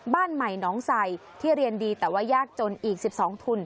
บ้านใหม่น้องใส่ที่เรียนดีแต่ว่ายากจนอีก๑๒ทุน